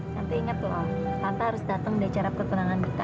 tante inget loh tante harus dateng di acara pertunangan kita